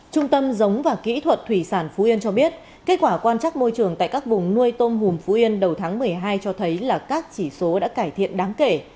trung tâm giống và kỹ thuật thủy sản phú yên cho biết kết quả quan trắc môi trường tại các vùng nuôi tôm hùm phú yên đầu tháng một mươi hai cho thấy là các chỉ số đã cải thiện đáng kể